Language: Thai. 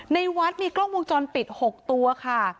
ในวัดมีกล้องวงจรปิด๖ตัวค่ะ